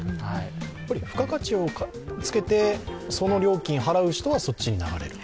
やっぱり付加価値をつけて、その料金を払う人はそっちに流れる。